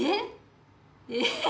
えっ！？